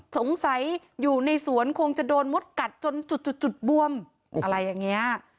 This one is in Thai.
สงสัยอยู่ในสวนคงจะโดนมดกัดจนจุดจุดบวมอะไรอย่างนี้